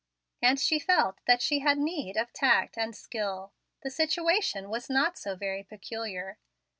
And she felt that she had need of tact and skill. The situation was not so very peculiar.